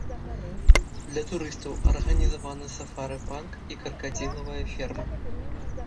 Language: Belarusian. Для турыстаў арганізаваны сафары-парк і кракадзілавая ферма.